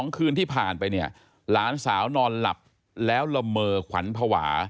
คืนที่ผ่านไปเนี่ยหลานสาวนอนหลับแล้วละเมอขวัญภาวะ